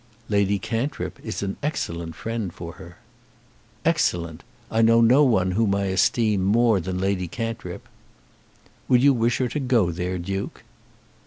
"Lady Cantrip is an excellent friend for her." "Excellent. I know no one whom I esteem more than Lady Cantrip." "Would you wish her to go there, Duke?"